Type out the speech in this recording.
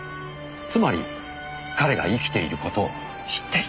つまり彼が生きている事を知っていた。